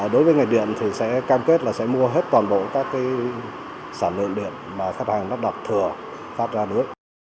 đối với ngành điện thì sẽ cam kết là sẽ mua hết toàn bộ các sản lượng điện mà khách hàng lắp đặt thừa phát ra nước